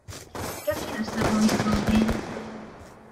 Qu’a fait le savant Islandais?